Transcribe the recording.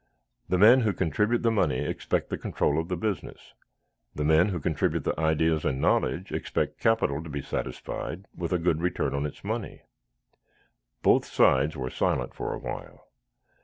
The men who contribute the money expect the control of the business; the men who contribute the ideas and knowledge expect, capital to be satisfied with a good return on its money. Both sides were silent for awhile.